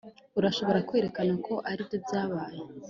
urashobora kwerekana ko aribyo byabaye